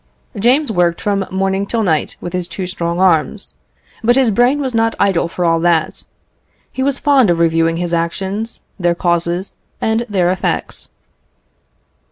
James worked from morning till night with his two strong arms, but his brain was not idle for all that. He was fond of reviewing his actions, their causes, and their effects.